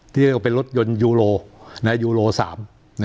ที่ก็เป็นรถยนต์ยูโร๓นะครับ